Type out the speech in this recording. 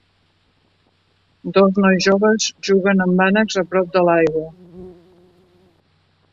Dos nois joves juguen amb ànecs a prop de l'aigua.